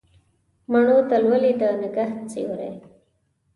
مڼو ته لولي د نګهت سیوري